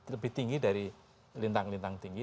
lebih tinggi dari lintang lintang tinggi